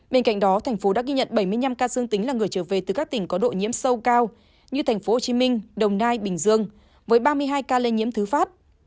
bên cạnh đó thành phố đã ghi nhận bảy mươi năm ca dương tính là người trở về từ các tỉnh có độ nhiễm sâu cao như thành phố hồ chí minh đồng nai bình dương với ba mươi hai ca lên nhiễm thứ pháp